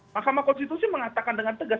mahkamah konstitusi mengatakan dengan tegas